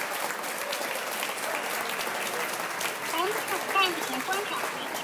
却也衣食无虑